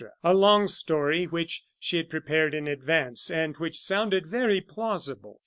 A long story, which she had prepared in advance, and which sounded very plausible.